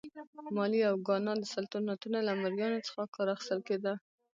مالي او ګانا سلطنتونه له مریانو څخه کار اخیستل کېده.